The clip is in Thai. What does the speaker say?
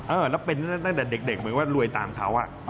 เออแล้วเป็นตั้งแต่เด็กเหมือนว่ารวยตามเขา